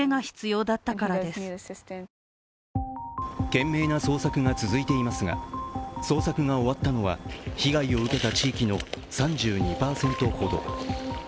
懸命な捜索が続いていますが捜索が終わったのは被害を受けた地域の３２％ほど。